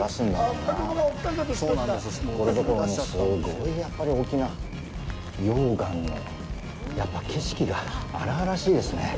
ところどころにすごいやっぱり大きな溶岩のやっぱ、景色が荒々しいですね。